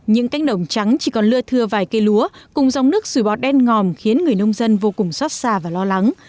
những cánh đồng trắng chỉ còn lưa thưa vài cây lúa cùng dòng nước sủi bọt đen ngòm khiến người nông dân vô cùng xót xa và lo lắng